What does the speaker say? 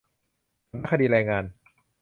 สำนักงานคดีแรงงาน